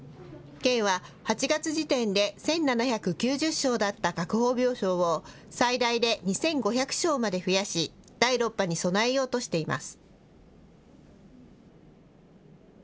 県は８月時点で１７９０床だった確保病床を、最大で２５００床まで増やし、第６波に備えようとしています。